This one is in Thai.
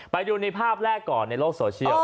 ไปดูในภาพแรกก่อนในโลกโซเชียล